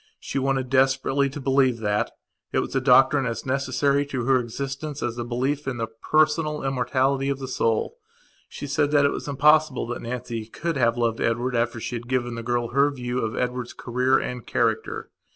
She wanted desperately to believe that. It was a doctrine as necessary to her existence as a belief in the personal immortality of the soul. She said that it was impossible that Nancy could have loved Edward after she had given the girl her view of Edward's career and character.